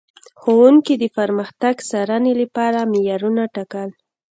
ښوونکي د پرمختګ د څارنې لپاره معیارونه ټاکل.